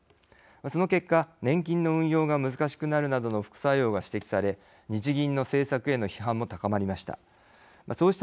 その結果、年金の運用が難しくなるなどの副作用が指摘され日銀の政策への批判も高まりました。